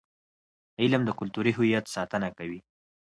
علم د کلتوري هویت ساتنه کوي.